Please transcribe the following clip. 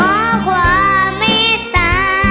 ร้องได้ยกกำลังซ่าคือการแรกมัดรุ่นเล็กของทีมเด็กเสียงดีจำนวนสองทีม